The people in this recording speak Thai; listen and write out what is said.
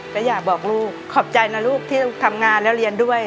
ก็อยากบอกลูกขอบใจนะลูกที่ทำงานแล้วเรียนด้วย